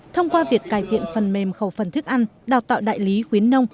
thông qua việc cải thiện phần mềm khẩu phần thức ăn đào tạo đại lý khuyến nông